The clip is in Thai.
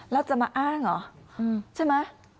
แล้วจะมาอ้างเหรอใช่ไหม